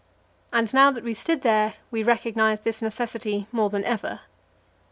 And now that we stood there, we recognized this necessity more than ever.